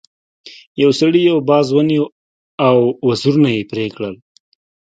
یو سړي یو باز ونیو او وزرونه یې پرې کړل.